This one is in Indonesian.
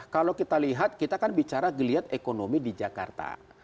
kalau kita lihat kita kan bicara geliat ekonomi di jakarta